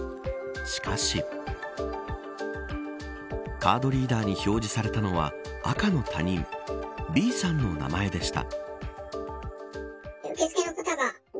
しかしカードリーダーに表示されたのは赤の他人Ｂさんの名前でした。